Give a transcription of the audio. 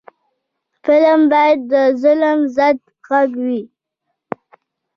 فلم باید د ظلم ضد غږ وي